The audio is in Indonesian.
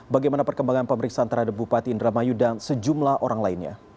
bagaimana perkembangan pemeriksaan terhadap bupati indramayu dan sejumlah orang lainnya